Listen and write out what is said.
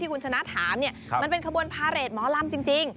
ที่คุณชนะถามเนี้ยมันเป็นขบวนพาเรจหมอลำจริง